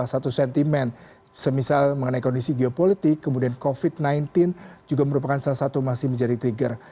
jadi salah satu sentimen semisal mengenai kondisi geopolitik kemudian covid sembilan belas juga merupakan salah satu yang masih menjadi trigger